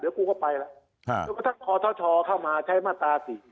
เดี๋ยวกูก็ไปแล้วฮะเดี๋ยวก็ท่านท้อท้อท้อเข้ามาใช้มาตราสี่